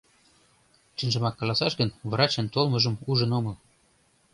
Чынжымак каласаш гын, врачын толмыжым ужын омыл.